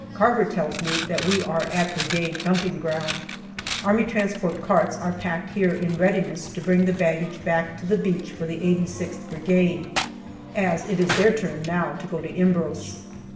Carver tells me that we are at Brigade dumping ground. A.T. carts are packed here in readiness to bring the baggage back to the beach for the 86th Brigade, as it is their turn now to go to Imbros.